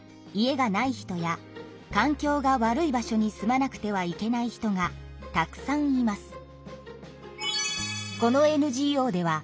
かん境が悪い場所に住まなくてはいけない人がたくさんいます。